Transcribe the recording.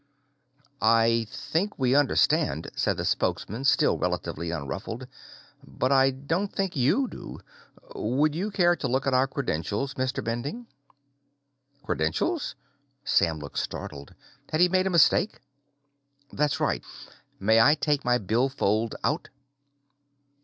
"I think we understand," said the spokesman, still relatively unruffled. "But I don't think you do. Would you care to look at our credentials, Mr. Bending?" "Credentials?" Sam looked startled. Had he made a mistake? "That's right. May I take my billfold out?"